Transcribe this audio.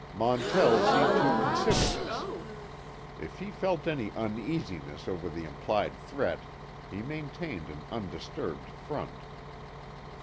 Montell seemed to consider this. If he felt any uneasiness over the implied threat he maintained an undisturbed front.